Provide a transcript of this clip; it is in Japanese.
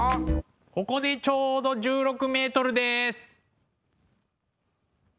ここでちょうど１６ｍです。